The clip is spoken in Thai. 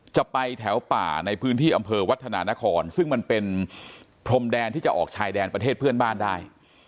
จะไปแถวป่าในพื้นที่อำเภอวัฒนานครซึ่งมันเป็นพรมแดนที่จะออกชายแดนประเทศเพื่อนบ้านได้